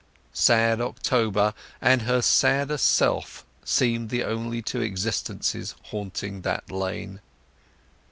Sad October and her sadder self seemed the only two existences haunting that lane.